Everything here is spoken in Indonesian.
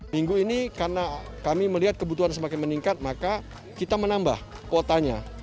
minggu ini karena kami melihat kebutuhan semakin meningkat maka kita menambah kuotanya